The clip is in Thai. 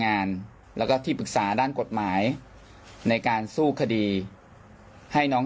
งานแล้วก็ที่ปรึกษาด้านกฎหมายในการสู้คดีให้น้อง